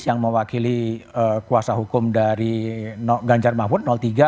yang mewakili kuasa hukum dari ganjar mahfud tiga